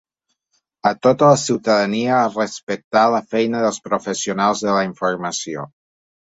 A tota la ciutadania a respectar la feina dels professionals de la informació.